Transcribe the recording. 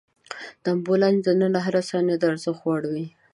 د امبولانس دننه هره ثانیه د ارزښت وړ وي.